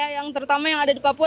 yang terutama yang ada di papua